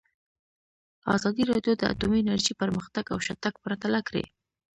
ازادي راډیو د اټومي انرژي پرمختګ او شاتګ پرتله کړی.